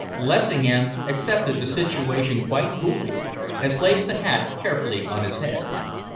Lessingham accepted the situation quite coolly, and placed the hat carefully on his head.